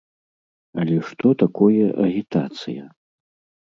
Але што такое агітацыя?